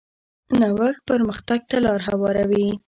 نوښت پرمختګ ته لار هواروي.